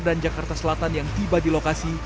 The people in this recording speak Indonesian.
dan jakarta selatan yang tiba di lokasi